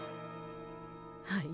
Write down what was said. はい。